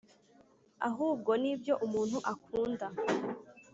ahubwo nibyo umuntu akunda